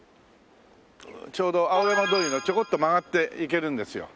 ちょうど青山通りのちょこっと曲がって行けるんですよ。